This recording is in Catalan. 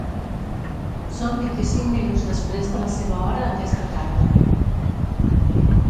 Són vint-i-cinc minuts després de la seva hora aquesta tarda.